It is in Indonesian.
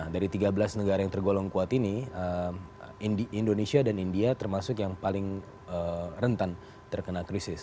dari tiga belas negara yang tergolong kuat ini indonesia dan india termasuk yang paling rentan terkena krisis